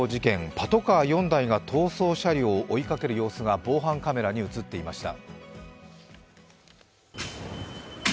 パトカー４台が逃走車両を追いかける様子が防犯カメラに映っていました。